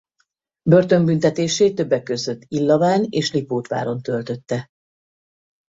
Börtönbüntetését többek között Illaván és Lipótváron töltötte.